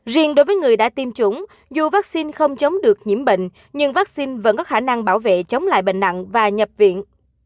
riêng đối với người đã tiêm chủng dù vaccine không chống được nhiễm bệnh nhưng vaccine vẫn có khả năng bảo vệ chống lại bệnh nặng và nhập viện